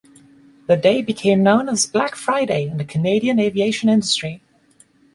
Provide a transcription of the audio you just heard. The day became known as "Black Friday" in the Canadian aviation industry.